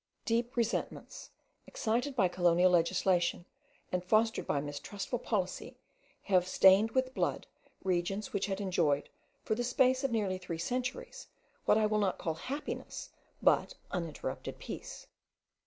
Deep resentments, excited by colonial legislation, and fostered by mistrustful policy, have stained with blood regions which had enjoyed, for the space of nearly three centuries, what I will not call happiness but uninterrupted peace.